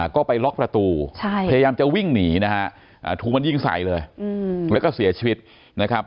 ก็ไปล็อกประตูพยายามจะวิ่งหนีนะฮะถูกมันยิงใส่เลยแล้วก็เสียชีวิตนะครับ